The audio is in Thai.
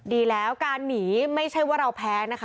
ดีแล้วการหนีไม่ใช่ว่าเราแพ้นะคะ